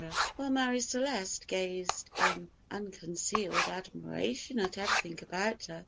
while Marie Celeste gazed in unconcealed admiration at everything about her.